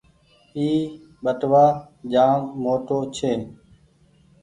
اي ٻٽوآ جآم موٽو ڇي۔